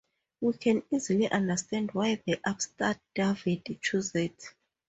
We can easily understand why the upstart David chose it.